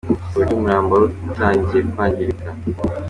Ku buryo umurambo wari utangiye kwangirika.